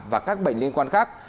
và các bệnh liên quan khác